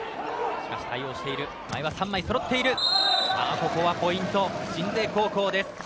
ここはポイント鎮西高校です。